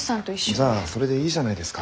じゃあそれでいいじゃないですか。